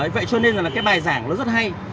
vậy cho nên là cái bài giảng nó rất hay